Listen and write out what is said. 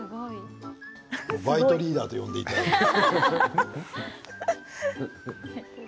バイトリーダーと呼んでいただいて。